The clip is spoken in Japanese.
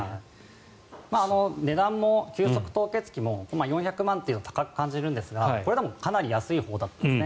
値段も急速凍結機も４００万円というと高く感じるんですがこれでもかなり安いほうなんですね。